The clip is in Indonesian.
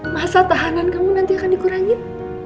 masa tahanan kamu nanti akan dikurangin